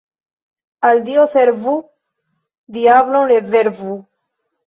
Al Dio servu, diablon rezervu.